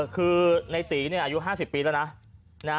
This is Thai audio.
คือในตีอายุ๕๐ปีแล้วนะ